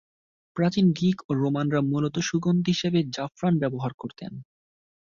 প্রাচীন গ্রীক ও রোমানরা মূলত সুগন্ধি হিসেবে জাফরান ব্যবহার করতেন।